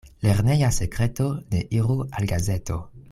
Lerneja sekreto ne iru al gazeto.